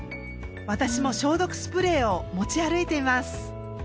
私も消毒スプレーを持ち歩いています。